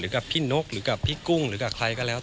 กับพี่นกหรือกับพี่กุ้งหรือกับใครก็แล้ว